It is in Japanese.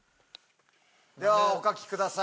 ではお描きください。